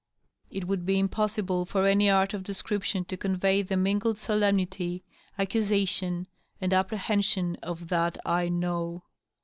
It would be impossible for any art of description to convey the mingled solemnity, accusation and apprehen sion of that " I know."